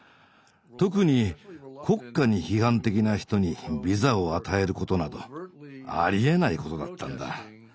特に国家に批判的な人にビザを与えることなどありえないことだったんだ。